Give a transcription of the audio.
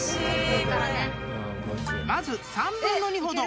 ［まず］